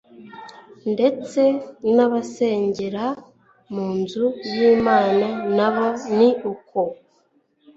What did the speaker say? ndetse n’abasengera mu nzu y’Imana nabo ni uko.